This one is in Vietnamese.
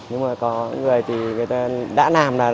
nhưng mà có những người thì người ta đã làm là đúng rồi